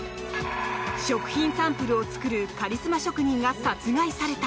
食品サンプルを作るカリスマ職人が殺害された。